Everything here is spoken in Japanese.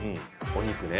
お肉ね。